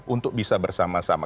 untuk bisa bersama sama